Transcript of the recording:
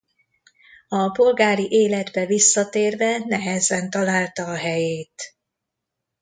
A polgári életbe visszatérve nehezen találta a helyét.